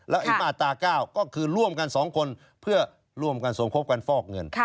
ไอ้มาตรา๙ก็คือร่วมกัน๒คนเพื่อร่วมกันสมคบกันฟอกเงิน